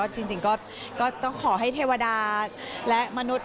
จริงก็ต้องขอให้เทวดาและมนุษย